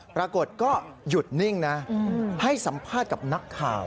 ปรากฏก็หยุดนิ่งนะให้สัมภาษณ์กับนักข่าว